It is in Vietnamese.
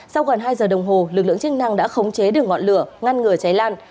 sau gần hai giờ đồng hồ lực lượng chức năng đã khống chế được ngọn lửa ngăn ngừa cháy lan